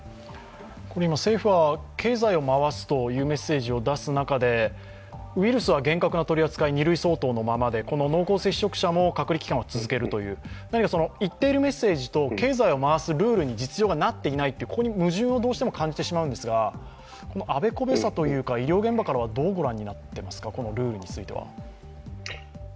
政府は経済を回すというメッセージを出す中で、ウイルスは厳格な取り扱い、２類相当のままでこの濃厚接触者の隔離期間を続けるという、言っているメッセージと、経済を回すルールに実情がなっていないという、ここに矛盾をどうしても感じてしまうんですが、あべこべさというか、医療現場からはどう御覧になっていますか、このルールについては。